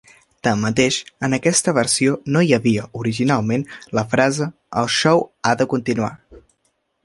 Tanmateix, en aquesta versió no hi havia, originalment, la frase "El xou ha de continuar!"